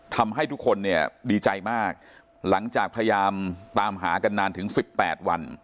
ทำให้ทุกคนเนี่ยดีใจมากหลังจากพยายามตามหากันนานถึง๑๘วัน